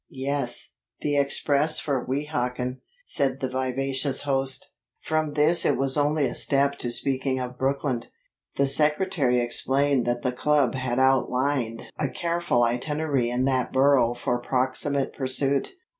"Yes, the express for Weehawken," said the vivacious host. From this it was only a step to speaking of Brooklyn. The secretary explained that the club had outlined a careful itinerary in that borough for proximate pursuit.